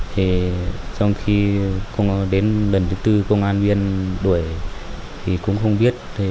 trong khi đến lần thứ bốn công an viên đuổi thì cũng không biết